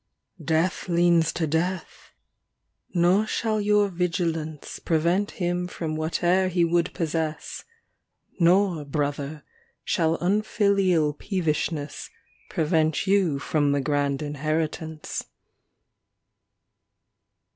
XXV Death leans to death ! nor shall your vigilance Prevent him from wliateŌĆÖer ho would possess, Nor, brother, shall unfilial peevishness Prevent you from the grand inheritance.